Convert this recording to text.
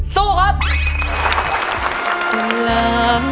สู้ครับ